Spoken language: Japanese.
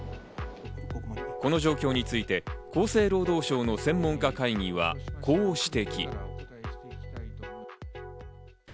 この状況について厚生労働省の専門家会議はこう指摘。